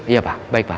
iya pak baik pak